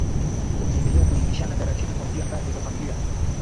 wakiendelea kuelimishana taratibu kuanzia ngazi za familia